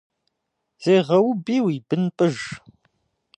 Зегъэуби уи бын пӏыж.